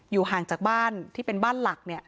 ห่างจากบ้านที่เป็นบ้านหลักเนี่ย